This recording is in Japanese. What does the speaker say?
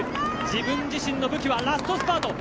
自分自身の武器はラストスパート。